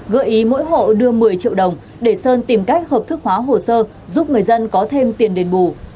gợi ý mỗi hộ đưa một mươi triệu đồng để sơn tìm cách hợp thức hóa hồ sơ giúp người dân có thêm tiền đền bù